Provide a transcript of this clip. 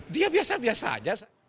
dia biasa biasa saja